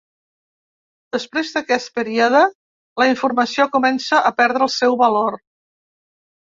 Després d’aquest període la informació comença a perdre el seu valor.